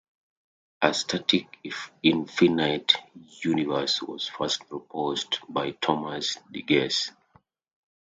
A static infinite universe was first proposed by Thomas Digges.